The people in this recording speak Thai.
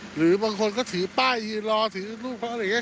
หรือบางคนก็ถือป้ายยืนรอถือรูปเขาอะไรอย่างนี้